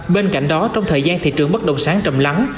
bên cạnh đó trong thời gian thị trường bất động sản trầm lắm